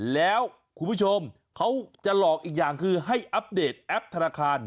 แล้วคุณผู้ชมเขาจะหลอกอีกอย่างคือให้อัปเดตแอปธนาคาร